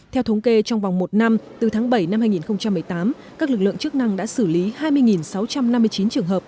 theo thống kê trong vòng một năm từ tháng bảy năm hai nghìn một mươi tám các lực lượng chức năng đã xử lý hai mươi sáu trăm năm mươi chín trường hợp